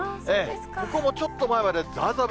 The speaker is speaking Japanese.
ここもちょっと前までざーざー